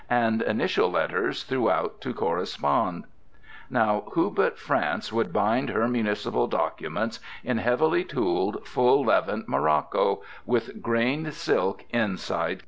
And initial letters throughout to correspond. Now who but France would bind her municipal documents in heavily tooled, full levant morocco, with grained silk inside covers?